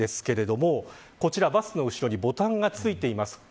こちら、バスの後ろにボタンがついています。